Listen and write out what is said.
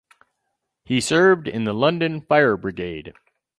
He served in the London Fire Brigade.